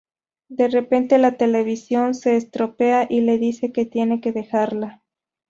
De repente la televisión se estropea y le dice que tiene que dejarla.